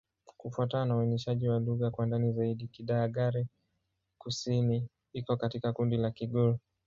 Kufuatana na uainishaji wa lugha kwa ndani zaidi, Kidagaare-Kusini iko katika kundi la Kigur.